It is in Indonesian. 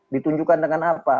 ditunjukkan dengan apa